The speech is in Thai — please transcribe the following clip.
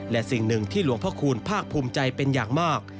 และสิ่งหนึ่งที่หลวงพระคูณภาคภูมิใจเป็นอย่างมาก